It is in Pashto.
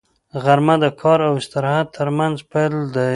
غرمه د کار او استراحت تر منځ پل دی